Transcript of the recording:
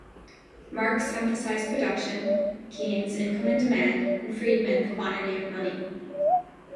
Marx emphasized production, Keynes income and demand, and Friedman the quantity of money.